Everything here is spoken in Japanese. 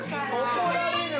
怒られる。